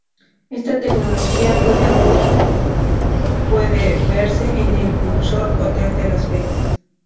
Esta tecnología puede aún puede verse en el Luxor Hotel de Las Vegas.